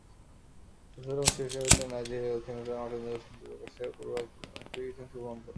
এই সফরের অংশ হিসেবে তিনি নাইজেরিয়া, দক্ষিণ আফ্রিকা, মার্কিন যুক্তরাষ্ট্র, যুক্তরাজ্য এবং পূর্ব আফ্রিকার কিছু অংশ ভ্রমণ করেন।